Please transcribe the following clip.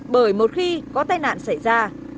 bởi một khi có tai nạn xảy ra